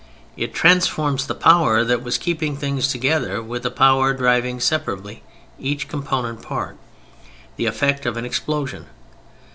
It transforms the power that was keeping things together with a power driving separably each component part: the effect of an explosion.